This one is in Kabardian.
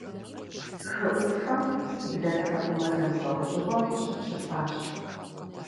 Хы ӏуфэм блэтхьэкӏумэ зэмылӏэужьыгъуэ къыщытщыпащ.